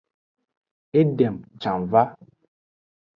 Edem can va.